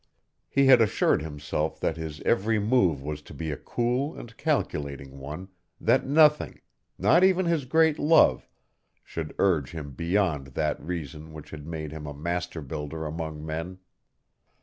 He had assured himself that his every move was to be a cool and calculating one, that nothing not even his great love should urge him beyond that reason which had made him a master builder among men.